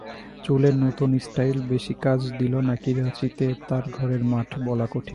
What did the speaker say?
চুলের নতুন স্টাইল বেশি কাজে দিল, নাকি রাঁচিতে তাঁর ঘরের মাঠ—বলা কঠিন।